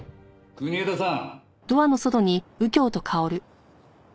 国枝さん？